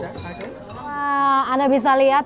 wah anda bisa lihat